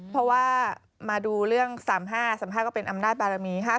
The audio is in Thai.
เพราะว่ามาดูเรื่อง๓๕๓๕ก็เป็นอำนาจบารมี๕๗